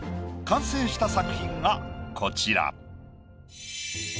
完成した作品がこちら。